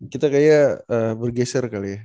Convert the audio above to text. kita kayaknya bergeser kali ya